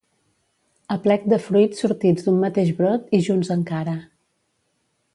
Aplec de fruits sortits d'un mateix brot i junts encara.